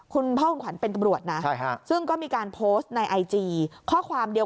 คุณพ่อคุณขวร์นเนี่ย